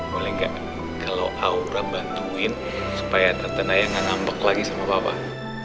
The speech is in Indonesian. boleh nggak kalau aura bantuin supaya tante naya ngambek lagi sama bapak